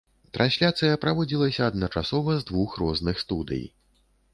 Трансляцыя праводзілася адначасова з двух розных студый.